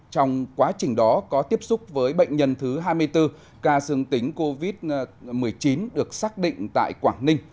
trong quá trình đó có tiếp xúc với bệnh nhân thứ hai mươi bốn ca dương tính covid một mươi chín được xác định tại quảng ninh